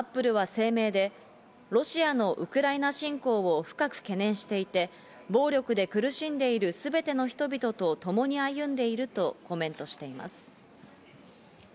Ａｐｐｌｅは声明で、ロシアのウクライナ侵攻を深く懸念していて、暴力で苦しんでいるすべての人々とともに歩んでいるとコメントしています。